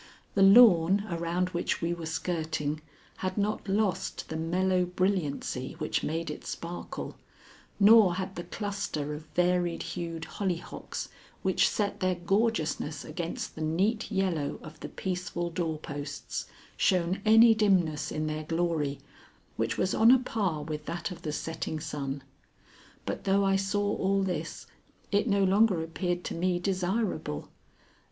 The lawn, around which we were skirting, had not lost the mellow brilliancy which made it sparkle, nor had the cluster of varied hued hollyhocks which set their gorgeousness against the neat yellow of the peaceful doorposts, shown any dimness in their glory, which was on a par with that of the setting sun. But though I saw all this, it no longer appeared to me desirable.